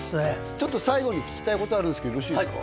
ちょっと最後に聞きたいことあるんですけどよろしいですか？